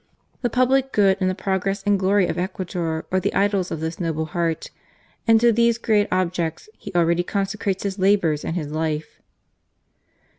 The public good, and the progress and glory of Ecuador are the idols of this noble heart, and to these great objects he already consecrates his labours and his life."